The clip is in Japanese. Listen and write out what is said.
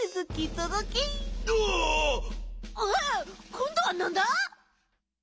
こんどはなんだ？